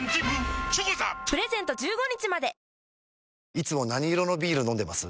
いつも何色のビール飲んでます？